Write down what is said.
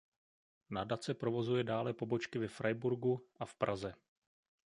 Nadace provozuje dále pobočky ve Freiburgu a v Praze.